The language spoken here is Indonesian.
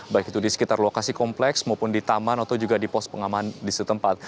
baik itu di sekitar lokasi kompleks maupun di taman atau juga di pos pengaman di setempat